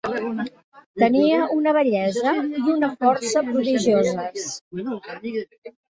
Tenia una bellesa i una força prodigioses.